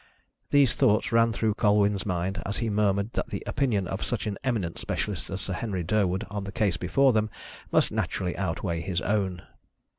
These thoughts ran through Colwyn's mind as he murmured that the opinion of such an eminent specialist as Sir Henry Durwood on the case before them must naturally outweigh his own.